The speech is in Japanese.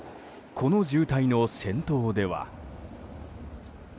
この渋滞の先頭では。